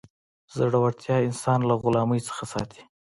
زړورتیا انسان له غلامۍ څخه ساتي.